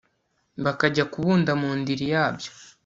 bikajya kubunda mu ndiri yabyo